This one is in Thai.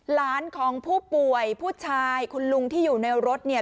หลานของผู้ป่วยผู้ชายคุณลุงที่อยู่ในรถเนี่ย